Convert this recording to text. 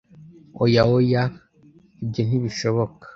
oya oya ibyo ntibishoboka